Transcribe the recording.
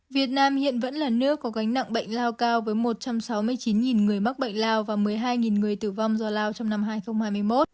việt nam hiện vẫn là nước có gánh nặng bệnh lao cao với một trăm sáu mươi chín người mắc bệnh lao và một mươi hai người tử vong do lao trong năm hai nghìn hai mươi một